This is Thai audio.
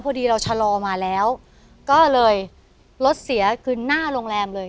พอดีเราชะลอมาแล้วก็เลยรถเสียคือหน้าโรงแรมเลย